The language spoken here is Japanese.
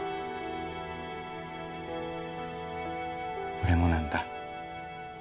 俺もなんだ。